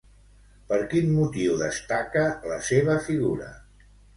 Per quin motiu destaca, la seva figura?